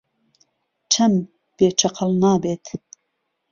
چهم بێ چهقهڵ نابێت